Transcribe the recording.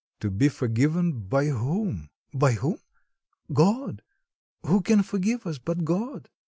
"To be forgiven by whom?" "By whom? God. Who can forgive us, but God?"